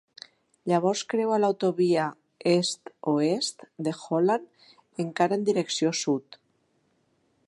Llavors creua l'autovia est-oest de Holland, encara en direcció sud.